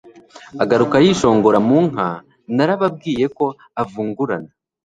Agaruka yishongora mu nka Narababwiye ko avungurana